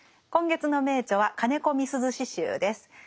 今月の名著は「金子みすゞ詩集」です。